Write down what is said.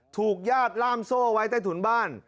ถูกหญาติร่ามโซ่ไว้ใต้ถุลบ้าน